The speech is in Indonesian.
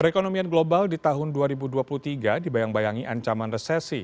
perekonomian global di tahun dua ribu dua puluh tiga dibayang bayangi ancaman resesi